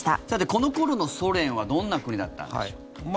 この頃のソ連はどんな国だったんでしょうか。